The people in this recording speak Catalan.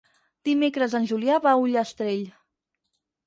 Dimecres en Julià va a Ullastrell.